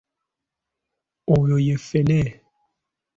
Oyo ye ffene.